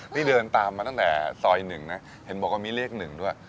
นี่เดินตามมาตั้งแต่ซอย๑นะเห็นบอกว่ามีเลข๑ด้วย